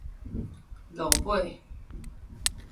落尾